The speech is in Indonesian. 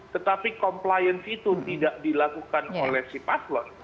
tetapi compliance itu tidak dilakukan oleh si paslon